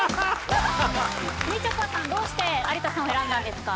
みちょぱさんどうして有田さんを選んだんですか？